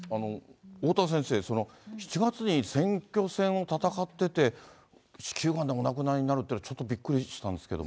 おおたわ先生、７月に選挙戦を戦ってて、子宮がんでお亡くなりになるというのは、ちょっとびっくりしたんですけども。